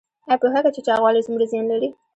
ایا پوهیږئ چې چاغوالی څومره زیان لري؟